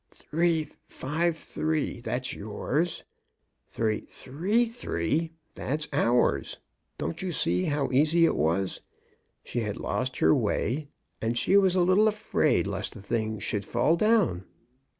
"353 — that's yours; 333 — that's ourc. Don't you see how easy it was? She had lost her way, and she was a little afraid lest the thing should fall down."